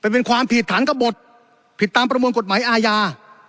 เป็นความผิดฐานกระบดผิดตามประมวลกฎหมายอาญา